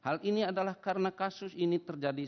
hal ini adalah karena kasus ini terjadi